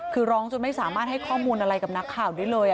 คือร้องจนไม่สามารถให้ข้อมูลอะไรกับนักข่าวได้เลย